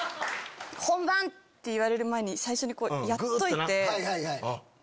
本番！って言われる前に最初にこうやっといて。